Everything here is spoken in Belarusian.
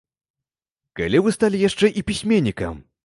Калі вы сталі яшчэ і пісьменнікам?